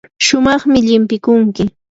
shumaqmi llimpikunki.